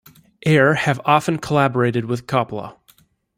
Air have often collaborated with Coppola.